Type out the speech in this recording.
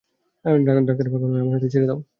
ডাক্তারের ভাগ্য নাহয় আমার হাতেই ছেড়ে দাও।